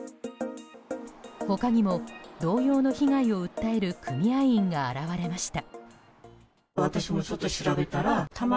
他にも同様の被害を訴える組合員が現れました。